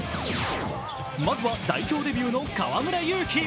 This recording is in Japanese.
まずは代表デビューの河村勇輝。